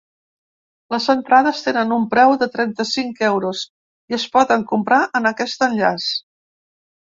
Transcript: Les entrades tenen un preu de trenta-cinc euros, i es poden comprar en aquest enllaç.